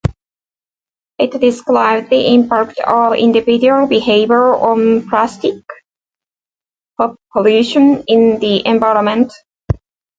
It describes the impact of individual behavior on plastic pollution in the environment.